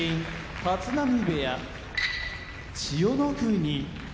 立浪部屋千代の国